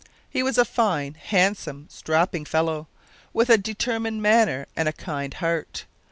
He was a fine, handsome, strapping fellow, with a determined manner and a kind heart.